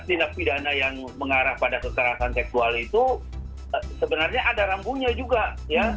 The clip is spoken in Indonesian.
tindak pidana yang mengarah pada kekerasan seksual itu sebenarnya ada rambunya juga ya